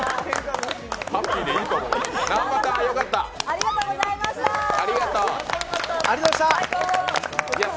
ハッピーでいいと思います。